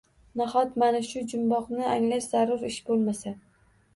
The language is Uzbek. Nahot mana shu jumboqni anglash zarur ish bo‘lmasa?